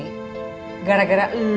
ibu sama bapak becengek